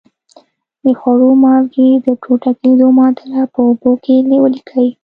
د خوړو مالګې د ټوټه کیدو معادله په اوبو کې ولیکئ.